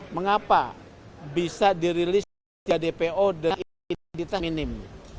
mengapa bisa dirilis di adpo dengan indikasi minim